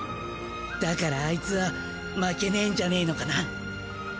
だからアイツは負けねえんじゃねえのかな。